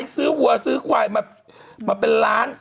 ซื้อขวาอยมาเป็นล้าน